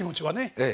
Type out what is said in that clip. ええ。